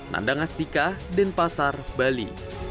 nandang astika denpasar bali